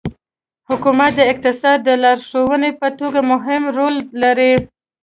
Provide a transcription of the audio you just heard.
حکومت د اقتصاد د لارښود په توګه مهم رول لري.